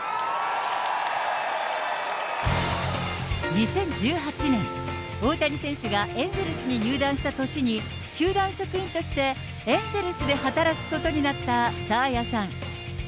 ２０１８年、大谷選手がエンゼルスに入団した年に、球団職員としてエンゼルスで働くことになった沙亜也さん。